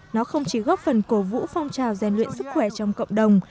nó không chỉ góp phần cổ vũ phong trào rèn luyện sức khỏe trong cộng đồng